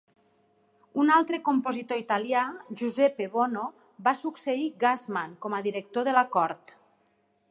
Un altre compositor italià, Giuseppe Bonno, va succeir Gassmann com a director de la cort.